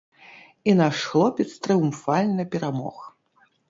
І наш хлопец трыумфальна перамог.